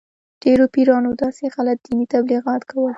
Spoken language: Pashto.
ډېرو پیرانو داسې غلط دیني تبلیغات کول.